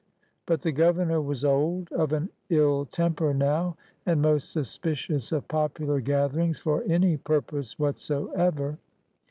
But the Governor was old, of an ill temper now, and most suspicious of popular gatherings for any pur pose whatsoever.